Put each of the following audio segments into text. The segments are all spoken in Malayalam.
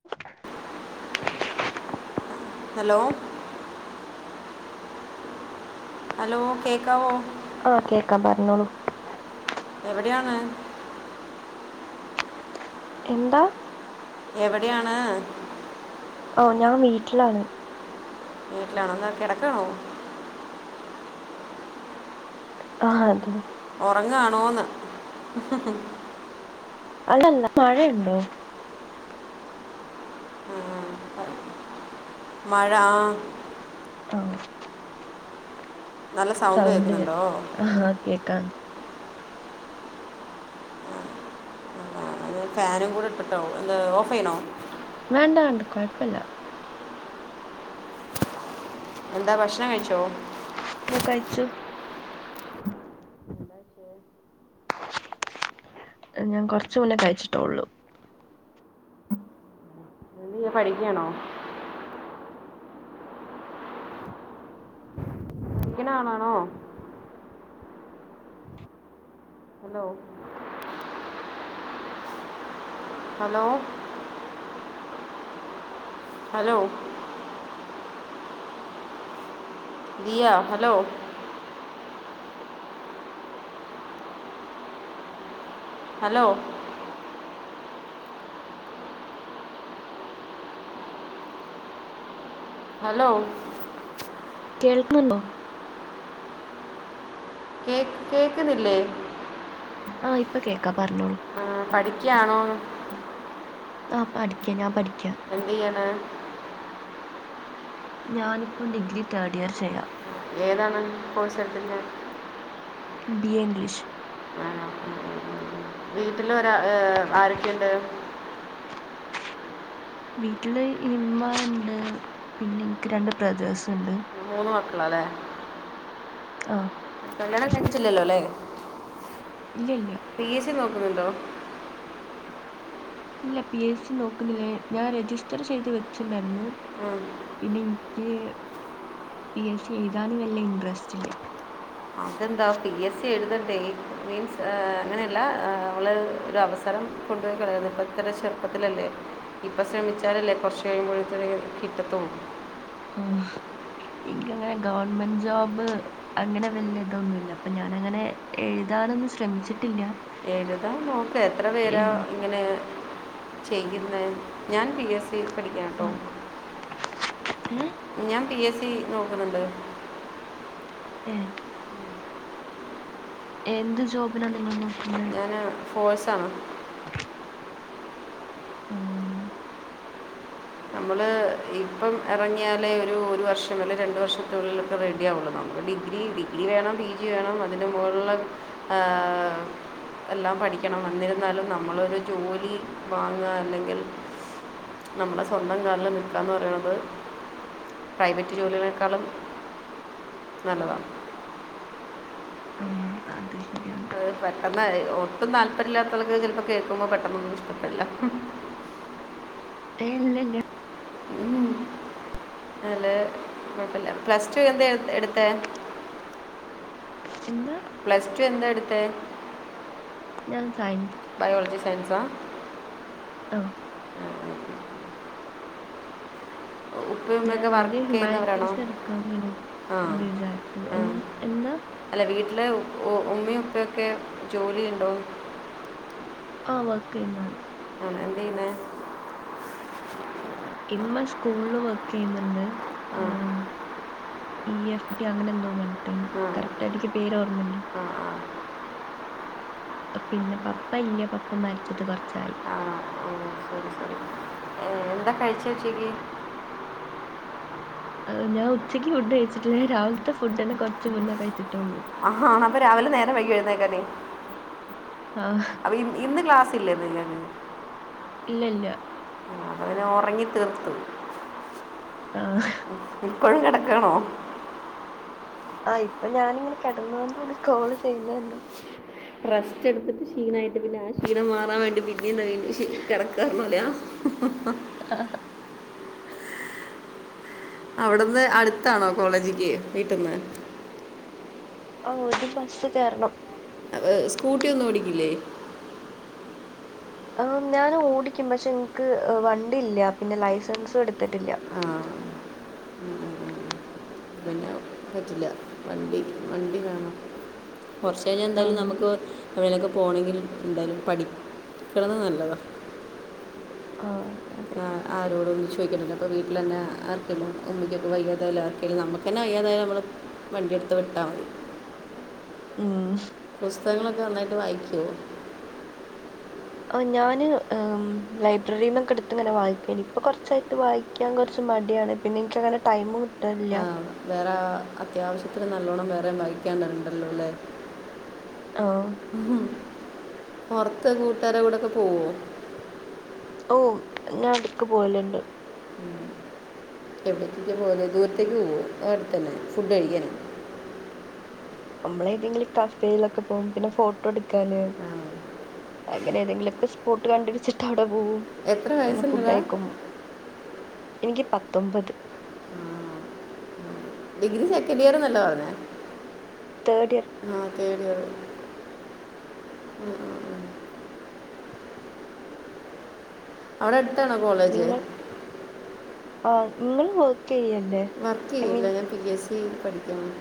[unintelligible] ഹലോ ഹലോ കേൾക്കവോ ആഹ് കേക്കാ പറഞ്ഞോളൂ എവിടെയാണ് എന്താ എവിടെയാണ് ഓഹ് ഞാൻ വീട്ടിലാണ് വീട്ടിലാണോ എന്ന കിടക്കാണോ ആഹ് അതെ ഉറങ്ങാണോന്ന് അല്ലല്ല മഴയുണ്ടോ മഴ ആഹ് ആഹ് നല്ല സൗണ്ട് കേൾക്കുന്നുണ്ടോ ആഹ് കേക്കാം ആഹ് ഫാനും കൂടെ ഇട്ട്ട്ടാവും എന്താ ഓഫ് ചെയ്യണോ വേണ്ട വേണ്ട കുഴപ്പില്ല എന്താ ഭക്ഷണം കഴിച്ചോ ഇപ്പോ കഴിച്ചു ഞാൻ കുറച്ചു മുന്നേ കഴിച്ചിട്ടുള്ളൂ യ്യ പഠിക്കുകയാണോ ഇങ്ങനെ [unintelligible] hello hello hello Diya hello hello hello കേൾക്കുന്നുണ്ടോ കേക്ക് കേൾക്കുന്നില്ലേ ആഹ് ഇപ്പൊ കേൾക്കാം പറഞ്ഞോളൂ ആഹ് പഠിക്കയാണോന്ന് ആഹ് പഠിക്ക ഞാൻ പഠിക്ക എന്ത് ചെയ്യാണ് ഞാനിപ്പം ഡിഗ്രി തേർഡ് ഇയർ ചെയ്യ ഏതാണ് കോഴ്സ് എടുത്തിട്ടുള്ള ബി എ ഇംഗ്ലീഷ് ആഹ് ഉം ഉം വീട്ടിൽ ഒരാ ആരൊക്കെയുണ്ട് വീട്ടില് ഇമ്മണ്ട് പിന്നെ എനിക്ക് രണ്ട് ബ്രദേഴ്സ് ഉണ്ട് മൂന്ന് മക്കളല്ലേ ആഹ് കല്യാണം കഴിച്ചില്ലല്ലോ അല്ലേ ഇല്ല ഇല്ല പി എസി നോക്കുന്നുണ്ടോ ഇല്ല പി എസ് സി നോക്കുന്നില്ല ഞാൻ രജിസ്റ്റർ ചെയ്ത് വെച്ചിണ്ടായിരുന്നു ആഹ് പിന്നെ എനിക്ക് പി എസ് സി എഴുതാനും വല്ല ഇൻട്രസ്റ്റ് ഇല്ലേ അതെന്താ പി എസ് സി എഴുതണ്ടേ മീൻസ് അങ്ങനെയല്ല നമ്മൾ ഒരു അവസരം കൊണ്ട് പോയി കളയുന്നേ ഇപ്പം തന്നെ ചെറുപ്പത്തിലല്ലേ ഇപ്പം ശ്രമിച്ചാലല്ലേ കുറച്ച് കഴിയുമ്പോഴത്തിനേ കിട്ടത്തുള്ളൂ ആഹ് എനിക്ക് അങ്ങനെ ഗവൺമെന്റ് ജോബ് അങ്ങനെ വലിയ ഇതൊന്നുമില്ല അപ്പൊ ഞാൻ അങ്ങനെ എഴുതാനൊന്നും ശ്രമിച്ചിട്ടില്ല എഴുതാൻ നോക്ക് എത്ര പേരാ എം, ഇങ്ങനെ ചെയ്യുന്നേ ഞാൻ പി എസ് സി പഠിക്ക കേട്ടോ ഉം, ഏ ഞാൻ പി എസ് സി നോക്കുന്നുണ്ട് ഏഹ് എന്ത് ജോബിനാ നിങ്ങൾ നോക്കുന്നേ ഫോവേഴ്സ് ആണ് ഓ നമ്മൾ ഇപ്പം ഇറങ്ങിയാലേ ഒരു വർഷം അല്ലേങ്കിൽ രണ്ട വർഷത്തിള്ളിലിൽ റെഡിയ ആവുള്ളു നമുക്ക് ഡിഗ്രി ഡിഗ്രി വേണം പി ജി വേണം അതിൻ്റെ മലുള്ള എല്ലാം പഠിക്കണം എന്നന്നിരുന്നാലും നമ്മളൊരു ജോലി വാങ്ങ അല്ലെങ്കിൽ നമ്മള സ്വന്തം കാലിൽ നിൽക്കുകന്ന് പറയുന്നത് പ്രൈവറ്റ് ജോലിയേക്കാളും നല്ലതാ ആ അതെ പെട്ടെന്ന് ഒട്ടും താല്പര്യമില്ലാത്തവക്ക് ചിലപ്പോ കേൾക്കുമ്പോ പെട്ടെന്നൊന്നും ഇഷ്ടപ്പെടില്ല ഇല്ലല്ല ഉ നല്ല കുഴപ്പില്ല പ്ലസ് ടു എന്താ എടുത്ത എന്താ പ്ലസ് ടു എന്താ എടുത്ത ഞാൻ സയൻസ് ബയോളജി സയൻസാ ആഹ ഞാൻ ഉപ്പയുമ്മയൊക്കെ വർക്ക് ആദ്യം ചെയ്യുന്നവരാണോ ഹ്യുമാനിറ്റീസ് എടുക്കാണ് ആ വിചാരിച്ചത് ആ എ എന്താ അല്ല വീട്ടില് ഉമ്മുപ്പൊക്കെ ജോലിയ ഉണ്ടോ ആ വർക്കന്നാണ് ആ എന്ത ചെയന്നെ ഇമ്മ സ്കൂളില് വർക്ക് ചെയ്യുന്നുണ്ട് ആ ഇ എഫ് ടി അങ്ങനെ എന്തോ പ കറക്റ്റ് ആായിട്ടക്ക് പേര് ഓർമ്മയില്ല പിന്നെ പപ്പ ഇല്ല പപ്പ മരിച്ചിട്ട് കൊറച്ചായി ആ ആ ശരി ശരി എന്താ കഴിച്ച ഉച്ചേക്ക് ഞാ ഉച്ചക്ക് ഫുഡ് കഴിച്ചിട്ടില്ലേ രാവിലത്തെ ഫുഡ്ന്നെ കുറച്ച് മുന്നേ കഴിച്ചിട്ടുള്ളൂ ആ ആ അപ്പൊ രാവിലെ നേരം വൈകി എഴുന്നേക്കല്ലെ ആഹ്‌. ഇന്ന് ക്ലാസ്സല്ലെ ന്നിങ്ങെക് ഇല്ല ഇല്ല അത അെ ഉറങ്ങി തീർത്തു ആഹ ഇപ്പോഴും കിടക്കണോ ആ ഇപ്പൊ ഞാനിങ്ങനെ കിടന്നൊണ്ടാണ് കോള് ചെയ്യുന്നത് റസ്റ്റ് എടുത്തിട്ട് ക്ഷീണയിട്ട് പിന്നെ ആ ക്ഷീണം മാറാൻ വേണ്ടി പിന്നെ എന്താ വീണ്ട കിറക്കാറണല്ലാ [unintelligible] ആ അവിടുന്ന് അടുത്താണോ കോളേജ്ക്ക് വീട്ന്ന് ആ ഒര് ബസ് കേറണം ഏഹ് സ്കൂട്ടി ഒന്നും ഓടിക്കില്ലേ ഞൻ ഓടിക്കും പക്ഷെ എനിക്ക് വണ്ടി ല്ല പിന്നെ ലൈസൻസും എടുത്തിട്ടില്ല ആ ഉം ഉം പിന്നെ പറ്റില്ല വണ്ടി വണ്ടി വേണം കുറച്ച കഴിഞ്ഞാൽ ആ എന്തായാലും നമുക്ക് എപ്പളെലൊക്കെ പോകണമെങ്കിൽ എന്തായാലും പഠിക്കണത് നല്ലതാണ് ആ അത അതെ ആരോടും ചദിക്കട്ടില്ല അപ്പോൾ വീട്ടിൽ തന്നെ ആർക്കെും ഉമ്മക്ക്ക്കെ വൈ്യാതായാല ആക്കെങ്കും നമുക്ക് തന്ന വയ്യാതായ നമ്മൾ വണ്ടിയെടുത്ത് വിട്ടാൽ മതി ഉം പുസ്തഖങ്ങളൊക്കെ നന്നായിട്ട് വായിക്കോ ആ ഞാൻ ലൈബറിൽ നിന്നൊക്കെ എടുത്ത് ഇങ്ങനെ വായിക്കുനി ഇപ്പൊ കുറച്ചായിട്ട് വായി ക്കാൻ കുറച്ച് മടിയാണ് പിന്നെ എനക്ക്ങ്ങനെ ടൈം കിട്ടാനില്ല ആ വേറെ അത്യാവശ്യത്തിന് നല്ലോണ്ണം വേറെ വായിക്കാണ്ടല്ലോ ല്ലേ ആഹ ഉം പുറത് കൂട്ടുകാര കൂടെക്കെ പോവോ ഓ ഞാൻ എടക്ക് പോലുണ്ട് എവിടത്തേക്ക പോകുന്നെ ദൂരത്തേക്ക് പോവോ അടെ അടുത്തന്നെ ഫുഡ് കഴിക്കാന നമ്മള ഏതെങ്കിലും കഫേ ലൊക്കെ പോകും പിന്നെ ഫോട്ടോ എടുക്കാന് ആ അങ്ങനെ ഏതെങ്കിലുമൊക്കെ സ്പോട്ട് കണ്ട് പിടിച്ചിട്ട് അവിടെ പോകും എത്ര പിന്നെ ഫുഡ് വയസ്സുണ്ടടാ കഴിക്കും എനിക്ക് പത്തൊമ്പത് ഡിഗ്രി സെക്കൻഡ് ഇയർന്നല്ലെ പറഞ്ഞെ തേർഡ് ഇയർ അ തെഡ് ഇയർ ഉം ഉം ഉം അവിടെ അടുത്താണോ കോളേജ് നിങ്ങൾ ആ നിങ്ങൾ വർക്ക് ചെയ്യല്ലേ വർക്ക് ഐ മീൻ ചെയ്യല്ല ഞാൻ പി എസ് സി പഠിക്കാണ്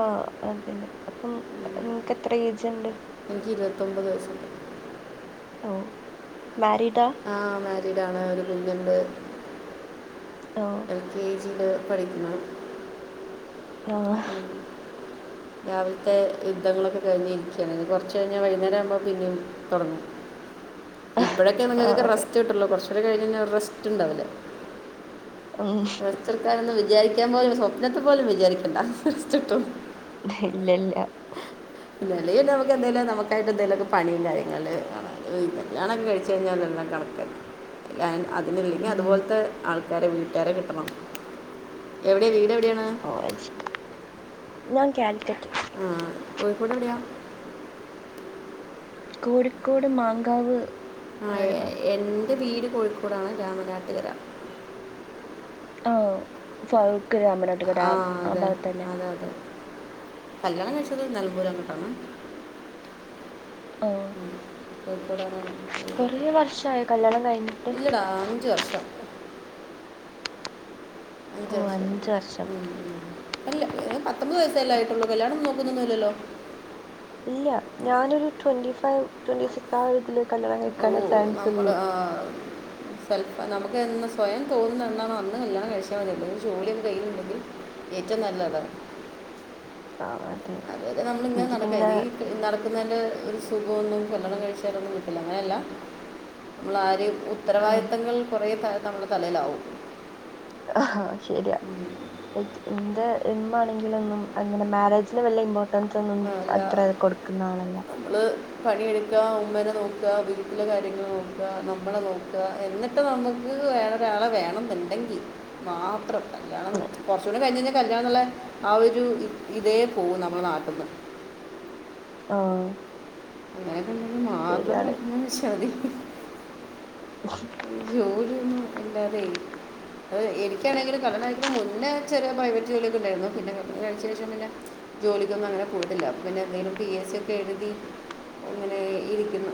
ആ അതന്നെ അപ്പം നിങ്ങക്ക് എത്ര ഏയ്ജ് ഉണ്ട് എനിക്ക് ഇരുപത്തൊമ്പത് വയസ്സുണ്ട് ഓ മാരിഡ ആ മാരിഡാണ് ഒരു കുഞ്ഞുണ്ട് ഓ കെജിയിൽ പഠിക്കുന്നു ആഹ [inaudible] രാവിൽത്തെ യുദ്ധങ്ങളൊക്ക കഴിഞ്ഞി ഇരിക്കാണ് ഇനി കൊറച്ചഴിഞ്ഞ വൈന്നേരം ആവുമ്പൊ പിന്നിം തൊടങ്ങും ഇപ്പഴൊക്കെ ആ നിങ്ങകൊക്ക റസ്റ്റ് കിട്ടൊള്ളു കുറച്ചൂടെ കഴിഞ്ഞ റെസ്റ്റ്ണ്ടാവില്ല ഉം റെസ്റ്റെട്ക്കാൻ ഒന്ന് വിചാരിക്കാൻ പോലും സ്വപ്നത്തി പോലും വിചാരിക്കണ്ട റെസ്റ്റ്ട്ടും ഇല്ലല്ല ഇന്നലെ എന്തേലു നമുക്കായിട്ട് എന്തേലൊക്കെ പണിണ്ടായി കല്യാണം കഴിച്ച് കഴിഞ്ഞാ എല്ലാം കണക്കായി അതിനല്ലെങ്കിൽ ഉം അതുപോല്ത്തെ ആൾ വേറെ വീട്ടാരെ കിട്ടണം എവിടെ വീട് എവിടേണ് ഓഹ് അത് ശരി ഞാൻ ക്യാലിക്കറ്റ് ആഹ് കോഴിക്കോട് എവിടെയാ കോഴിക്കോട് മാങ്കാവ് ആ ഒരു ആഹ് ഭാഗം എന്റ വീട് കോഴിക്കോടാണ് രാമനാട്ട്കര ആഹ് ഫവ്ക്കു രാമനാട്ട്കര ആഹ് ഭാഗത്തന്നെ ആഹ് അതെ കല്യാണം കഴിച്ചത് നെലമ്പൂരണ് ട്ടൊ അന്ന് ആഹ് വീട് കൊറേ വർഷായൊ കല്യാണം കഴ്ഞ്ഞിട്ട് ഇല്ലടാ അഞ്ച് വർഷം ഓ അഞ്ചർഷം അഞ്ച് വർഷം ഉം ഉം അല്ല പത്തൊമ്പത് വയസല്ലെ ആയിട്ടൊള്ളു കല്യാണൊന്ന് നോക്കുന്നൊന്നില്ലല്ലൊ ഇല്ല ഞാനൊരു ട്വന്റി ഫൈവ് ട്വന്റി സിക്സ് ആഹ് ഒരു ഇതില് കല്യാണം ഓ കഴിക്കാന് ചാൻസുള്ളു തൽ നമ്മുക്ക് എന്ന് സ്യയം തോന്നുന്ന് എന്നാണൊ അന്ന് കല്യാണം കഴിച്ചാ മതി ഒരു ജോലി കയ്യിയില്ണ്ടെങ്കി ഏറ്റവും നല്ലത ആഹ് അത് എങ്കി പിന്നെ നടക്ക്ന്നേന്റെ ഒരു സുഖവൊന്നും കല്ല്യാണം കഴിച്ചാലൊന്നും കിട്ടില്ല അങ്ങനല്ല നമ്മളാ ആരെ ഉത്തരവാദിത്തങ്ങൾ കൊറേ നമ്മളെ തലയിലാവും ആഹ് ശരിയാ ക് ഇന്റെ ഇമ്മാണെങ്കിലൊന്നും അങ്ങനെ മാരേജിന് വല്ല്യ ഇമ്പോർ അങൻതൊന്നും ആ, എല്ലാ അത്ര കൊട്ക്ക്ന്ന ആളല്ല നമ്മൾ പണിയെട്ക്ക ഉമ്മേനെ നോക്ക വീട്ട്ലെ കാര്യങ്ങള് നോക്ക നമ്മളെ നോക്ക ഇപ്പോ എന്നിട്ട് നമ്മക്ക് വേറൊരാളെ വേണന്ന്ണ്ടെങ്കി മാത്രം കല്യാണം കൊറ്ച്ചൂടി കഴിഞ്ഞഴിഞ്ഞാ കല്യാണന്ന്ള്ള ആഹ് ഒരു ഇ ഇതേ പോവും നമ്മടെ നാട്ടിന്ന്. ആഹ് അതായത് മാത്രം ശരിയാണ് വക്കുന്ന ശതി [inaudible] ജോലിയൊന്നും ഇല്ലാതെയ് അഹ് എനിക്കാണെങ്കില് കല്യാണം കഴിക്കണെ മുന്നെ ചെറിയ പ്രൈവറ്റ് ജോലിയൊക്ക ഇണ്ടാര്ന്നു പിന്നെ കല്യാണ ശേഷം പിന്നെ ജോലിക്കൊന്നും അങ്ങനെ പോയിട്ടില്ല പിന്നെ എന്തേലും പീ എസ്സി ഒക്ക എഴ്തി ഇങ്ങനേ ഇരിക്കുന്നു.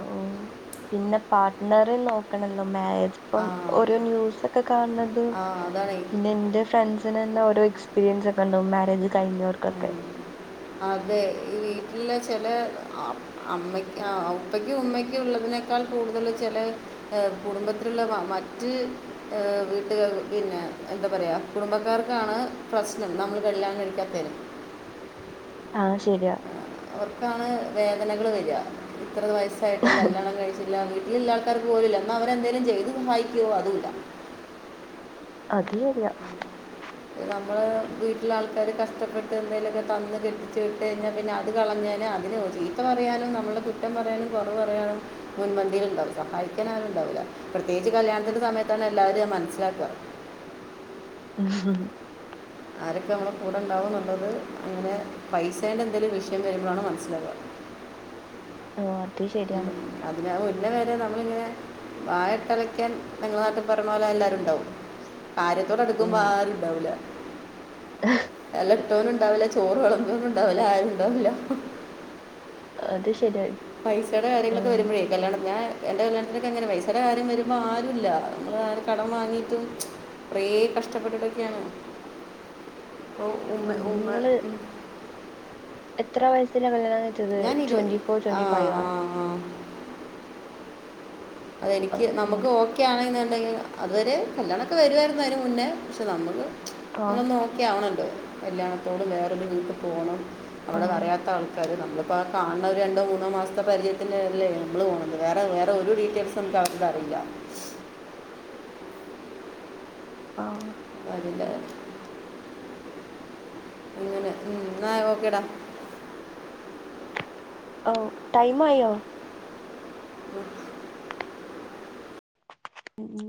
ഓഹ് പിന്നെ പാർട്ട്ണറെ നോക്കണല്ലൊ മാരേ ഇപ്പം ആ ഓരോ ന്യൂസ് ഒക്ക കാണ്ണത് ആ അതാണ് പിന്നെ എന്റെ ഫ്രണ്ട്സ് അതിനെന്നെ ഓരോ എക്സ്പീരിയൻസ് ഒക്കണ്ടാവും മാരേജ് കഴിഞ്ഞോർകൊക്കെ അതെ ഈ വീട്ട്ലെ ചെലേ അമ്മയ്ക്ക് ഉപ്പക്കും ഉമ്മക്കും ഉള്ളതിനെ ക്കാൾ കൂടുതല് ചെലേ ഏഹ് കുടുംബത്തില്ള്ള മറ്റ് ഏഹ് വീട്ടുക പിന്നെ എന്ത പറയ കുടുംബക്കാർക്കാണ് പ്രശ്നം നമ്മൾ കല്യാണം കഴിക്കാത്തേന്. ആഹ് ശരിയ അവർക്കാണ് വേദനകള് വര ഇത്ര വയസ്സായിട്ടും കല്യാണം കഴിച്ച ട്ടില്ല വീട്ടിലുള്ള ആൾക്കാർക്ക് പോലുല്ല എന്നാ അവരെന്തങ്കിലും ചെയ്ത സഹായിക്കുവോ അതുല്ല അതുല്ല നമ്മൾ വീട്ടില് ആൾക്കാര് കഷ്ടപ്പെട്ട് എന്തേലൊക്കെ തന്ന് കെട്ടിച്ചു വിട്ടു കഴിഞ്ഞാൽ പിന്നെ അത് കളഞ്ഞാൽ അതിന് [inaudible] ചീത്ത പറയാനും നമ്മളുടെ കുറ്റം പറയാനും കൊറവ് പറയാനും മുൻപന്തിയിലുണ്ടാവും സഹായിക്കാൻ ആരുണ്ടാവുല്ല. പ്രത്യേകിച്ച് കല്യാണത്തിന്റെ സമയത്താണ് എല്ലാവരെയും മനസിലാക്ക. [unintelligible] ആരൊക്കെ നമ്മുടെ കൂടെ ഉണ്ടാവന്നുള്ളത് അങ്ങനെ പൈസേൻ്റെ എന്തെലും വിഷയം വരുമ്പോഴാണ് മനസ്സിലാവ. ഓഹ് അത് ശരിയാണ്. അതിന മുന്നവരെ നമ്മളിങ്ങനെ വായട്ടലക്കാൻ നങ്ങളെ നാട്ടിൽ പറഞ്ഞ പോലെ എല്ലാരും ഉണ്ടാവും. കാര്യത്തോടടുക്കുമ്പോ ഉം ആരും ഉണ്ടാവൂല എല ഇട്ടോനും ഉണ്ടാവുല്ല ചോറ് വളമ്പാനുണ്ടാവുല്ല ആരുണ്ടാവുല്ല. അത് ശരിയ പൈസടെ കാര്യങ്ങളൊക്കെ വരുമ്പഴേ കല്യാണത്തി ഞാൻ എൻ്റെ കല്യാണത്തിനക്കെങ്ങനെ പൈസയുടെ കാര്യം വരുമ്പോ ആരുല്ല നമ്മളാ കടം വാങ്ങിയിട്ട് കൊറേ കഷ്ടപ്പെട്ടിട്ടൊക്കെയാണ് അപ്പോ ഉമ ഉം, ഉമ നിങ്ങള് ഉം എത്ര വയസ്സില കല്യാണം കഴിച്ചത് ഞാൻ ഇരു ട്വന്റി ഫോർ ആ ട്വന്റി ഫൈവാ ആ ആ ഓ അതെനിക്ക് നമുക്ക് ഇങ്ങനെ ഓക്കെ ഒക്കെയണെന്നുണ്ടെങ്കിൽ അതുവരെ കല്യാണമൊക്കെ വരുമായിരുന്നു അയിന് മുന്നേ പക്ഷെ നമ്മക്ക് നമ്മൾ ആഹ് നോക്കി ഒക്കെ ആവണല്ലോ കല്യാണത്തോടും വേറൊരു വീട്ടിൽ പോണം അവിടെ ആഹ് അറിയാത്ത ആൾക്കാർ നമ്മളിപ്പോ ആഹ് കാണ്ണ ഒരു രണ്ടോ മൂന്നോ മാസത്തെ പരിചയത്തിന്റെല്ലേ നമ്മള് പോന്നത് വേറെ വേറെ ഒരു രീ ന്റെ അവസ്ഥ അറീല ആഹ് അറീല്ല അങ്ങനെ ഉം എന്ന ഓക്കെടാ ഓഹ് ടൈമായോ ഉം